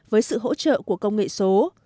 với sự hỗ trợ của công nghệ số